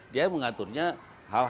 dia mengaturnya hal hal